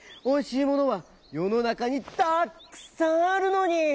おいしいものはよのなかにたっくさんあるのに！」。